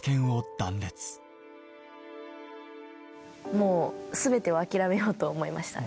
もうすべてを諦めようと思いましたね。